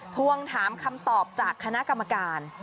ทวงถามคำตอบจากคณะกรรมการ